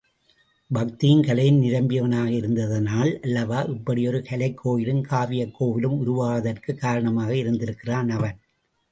பக்தியும் கலையும் நிரம்பியவனாக இருந்ததனால் அல்லவா இப்படி ஒரு கலைக்கோயிலும் காவியக் கோவிலும் உருவாவதற்கு காரணமாக இருந்திருக்கிறான் அவன்.